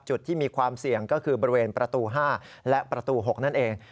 จุดที่มีความเสี่ยงก็คือบริเวณประตู๕และประตู๖นั่นเอง